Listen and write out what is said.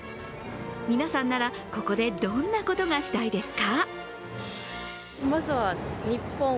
皆さんならここでどんなことがしたいですか？